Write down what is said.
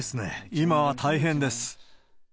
今は大変です。